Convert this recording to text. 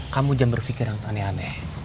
kamu jangan berpikir yang aneh aneh